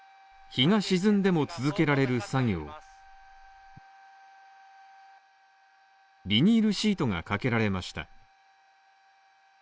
日が沈んでも続けられる作業ビニールシートがかけられました。